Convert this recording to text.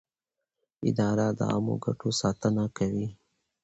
اداره د عامه ګټو ساتنه کوي.